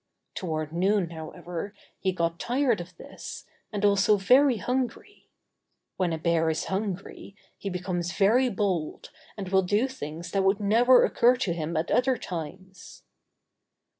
Toward noon, however, he got tired of this, and also very hungry. When a bear is hungry, he becomes very bold and will do things that would never occur to him at other times.